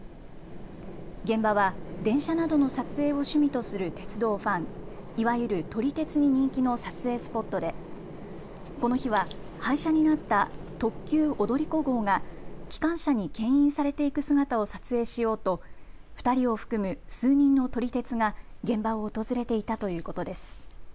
現場は電車などの撮影を趣味とする鉄道ファン、いわゆる撮り鉄に人気の撮影スポットでこの日は廃車になった特急踊り子号が機関車にけん引されていく姿を撮影しようと２人を含む数人の撮り鉄が現場を訪れていたということです。